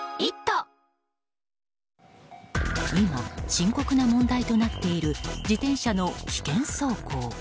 今、深刻な問題となっている自転車の危険走行。